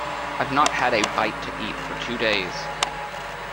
I’ve not had a bite to eat for two days.